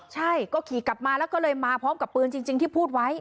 ใช่ก็ขี่กลับมาแล้วก็เลยมาพร้อมกับปืนจริงที่พูดไว้